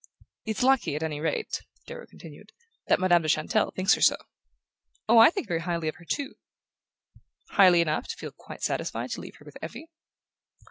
"It's lucky, at any rate," Darrow continued, "that Madame de Chantelle thinks her so." "Oh, I think very highly of her too." "Highly enough to feel quite satisfied to leave her with Effie?"